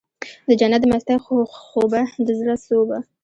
دجنت د مستۍ خوبه د زړه سوبه